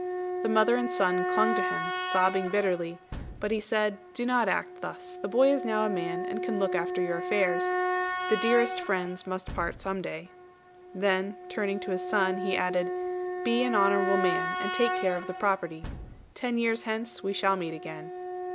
The mother and son clung to him, sobbing bitterly; but he said, "Do not act thus. The boy is now a man, and can look after your affairs. The dearest friends must part some day." Then, turning to his son, he added, "Be an honourable man, and take care of the property. Ten years hence we shall meet again."